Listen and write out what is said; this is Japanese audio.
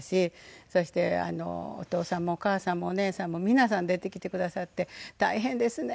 そしてお父さんもお母さんもお姉さんも皆さん出てきてくださって「大変ですね。